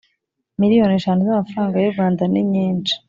miliyoni eshanu z amafaranga y u Rwandaninyinshi